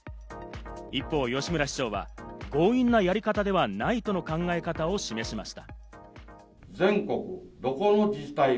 一方、吉村市長は強引なやり方ではないとの考え方を示しました。